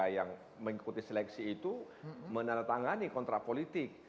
yang mengikuti seleksi itu menandatangani kontrak politik